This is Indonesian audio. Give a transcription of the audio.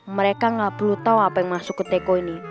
mereka nggak perlu tahu apa yang masuk ke teko ini